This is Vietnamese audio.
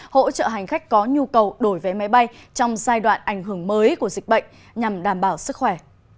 hỗ trợ hành khách có nhu cầu đổi vé máy bay trong giai đoạn ảnh hưởng mới của dịch bệnh nhằm đảm bảo sức khỏe